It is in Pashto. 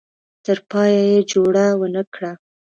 تر پایه یې جوړه ونه کړه.